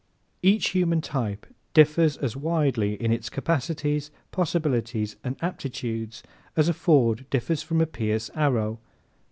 Each human type differs as widely in its capacities, possibilities and aptitudes as a Ford differs from a Pierce Arrow.